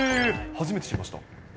初めて聞きました。